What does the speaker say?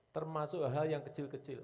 termasuk hal hal yang kecil kecil